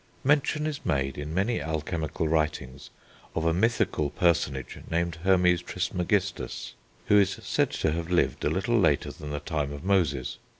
Mention is made in many alchemical writings of a mythical personage named Hermes Trismegistus, who is said to have lived a little later than the time of Moses.